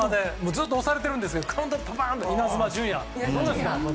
ずっと押されてるんですけどカウンターでイナズマ純也！